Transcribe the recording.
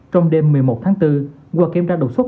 trong đêm một mươi một tháng bốn qua kiểm tra đột xuất